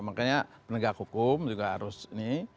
makanya penegak hukum juga harus ini